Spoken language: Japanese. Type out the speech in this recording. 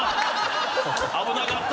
危なかった！